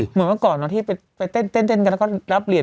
เหมือนเมื่อก่อนที่ไปเต้นกันแล้วก็รับเหรียญ